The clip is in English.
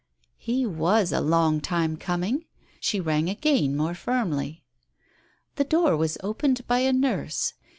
He was a long time coming !... She rang again, more firmly. ... The door was opened, by a nurse.